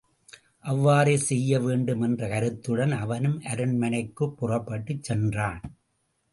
அவ்வாறே செய்ய வேண்டும் என்ற கருத்துடன் அவனும் அரண்மனைக்குப் புறப்பட்டுச் சென்றான்.